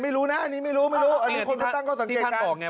ไม่รู้นะอันนี้ไม่รู้ไม่รู้อันนี้คนที่ตั้งเข้าสังเกตการณ์ที่ท่านบอกไง